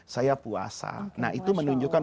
saya puasa nah itu menunjukkan